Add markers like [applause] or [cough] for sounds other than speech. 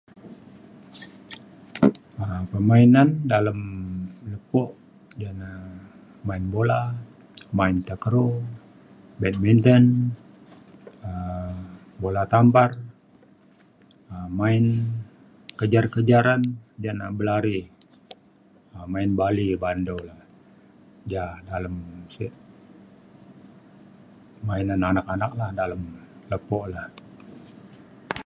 [noise] permainan dalem lepo ja ne main bola, main takraw, badminton um bola tampar um main kejar-kejaran jane belari um main bali ba'an du le. ja dalem sik main anun anak-anak la dalem lepo le.